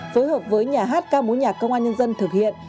phối hợp với nhà hát ca mối nhạc công an nhân dân thực hiện